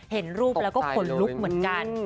เห็นรูปแล้วก็ขนลุกเหมือนกัน